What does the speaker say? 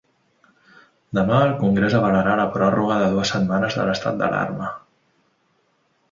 Demà, el congrés avalarà la pròrroga de dues setmanes de l’estat d’alarma.